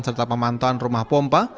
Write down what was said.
serta pemantauan rumah pompa